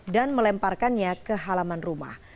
melemparkannya ke halaman rumah